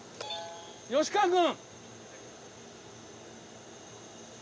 吉川君！